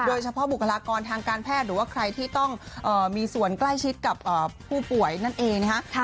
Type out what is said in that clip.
เฉพาะบุคลากรทางการแพทย์หรือว่าใครที่ต้องมีส่วนใกล้ชิดกับผู้ป่วยนั่นเองนะคะ